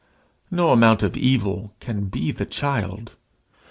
No amount of evil can be the child.